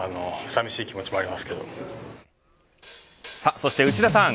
そして内田さん